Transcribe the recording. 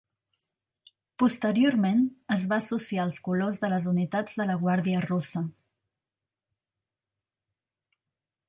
Posteriorment, es va associar als colors de les unitats de la guàrdia russa.